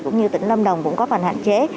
cũng như tỉnh lâm đồng cũng có phần hạn chế